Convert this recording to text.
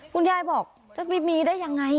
คุณยายบอกจะมีได้อย่างไร